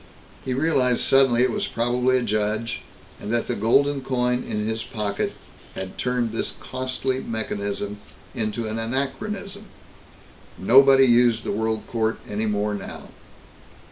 He realized suddenly it was probably a judge, and that the golden coin in his pocket had turned this costly mechanism into an anachronism. Nobody used the World Court any more now.